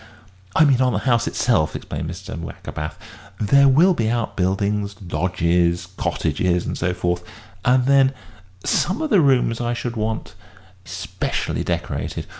"I mean, on the house itself," explained Mr. Wackerbath; "there will be outbuildings, lodges, cottages, and so forth, and then some of the rooms I should want specially decorated.